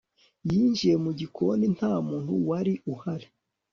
Yinjiye mu gikoni nta muntu wari uhari